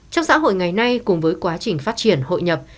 trong xã hội ngày nay cùng với quá trình phát triển hội nhập